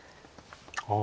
ああ